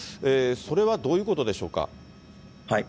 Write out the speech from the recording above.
それはどういうことでしょうか。